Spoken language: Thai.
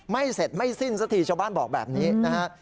ไม่เสร็จไม่สิ้นสักทีชาวบ้านบอกแบบนี้นะฮะ